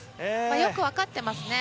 よく分かってますね。